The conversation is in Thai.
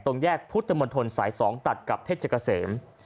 แยกพุทธมนตรสาย๒ตัดกับเพชรเกษม